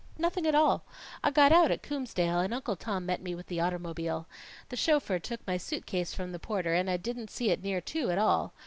"Nothing at all. I got out at Coomsdale, and Uncle Tom met me with the automobile. The chauffeur took my suit case from the porter and I didn't see it near to at all.